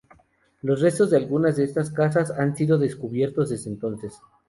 Los restos de algunas de estas casas han sido descubiertos desde entonces.